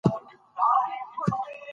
پامیر د افغان کورنیو د دودونو یو عنصر دی.